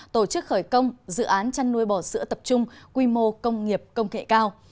tổ chức khởi công dự án chăn nuôi bò sữa tập trung quy mô công nghiệp công nghệ cao